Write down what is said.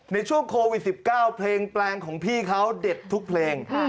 ในช่วงโควิด๑๙เพลงแปลงของพี่เขาเด็ดทุกเพลง